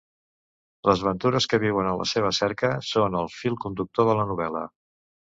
Les aventures que viuen en la seva cerca són el fil conductor de la novel·la.